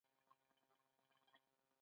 ګیلاس د بېکلامو خبرو ژبه ده.